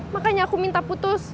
makanya aku minta putus